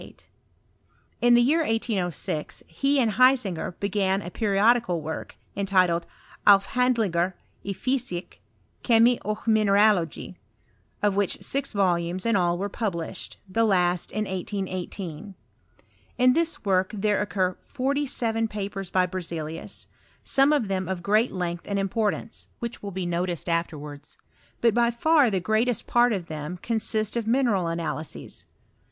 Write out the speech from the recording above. Id thft year 1806 he and Hismger be^an a periodical woi^, entitled "Afhandlingar 1 Fysik, Kemi och Mine ralogi," of which sis volumes in all were published, the last in 1818. In this work there occur foTty seven papers by EerzcUus, some of them of ^jeat length and importance, which will be noticed afterwards; but by far the greatest part of them consist of mi neral analyses.